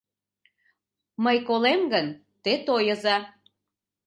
Мый колем гын, те тойыза